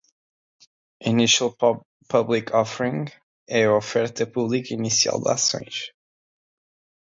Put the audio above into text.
Initial Public Offering (IPO) é a oferta pública inicial de ações.